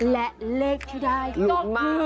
และเลขที่ได้มีคือรุ้นมาก